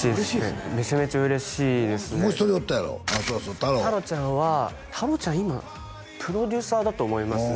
太郎太郎ちゃんは太郎ちゃん今プロデューサーだと思いますね